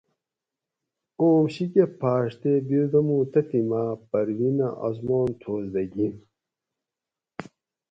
آم شیکہ پھاۤڛ تے بِردمو تتھی ماۤ پروینہ آسمان تھوس دہ گِھین